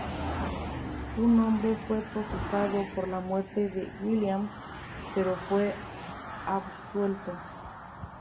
Un hombre fue procesado por la muerte de Williams, pero fue absuelto.